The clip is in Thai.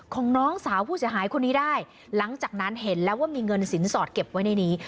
ของน้องสาวผู้เสียหายคนนี้ได้หลังจากนั้นเห็นแล้วว่ามีเงินสินสอดเก็บไว้ในนี้